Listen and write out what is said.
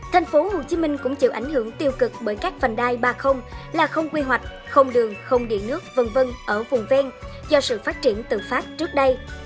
thành phố hồ chí minh cũng chịu ảnh hưởng tiêu cực bởi các vành đai ba là không quy hoạch không đường không điện nước v v ở vùng ven do sự phát triển tự phát trước đây